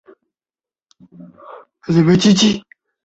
张家界荷花国际机场位于中华人民共和国湖南省张家界市。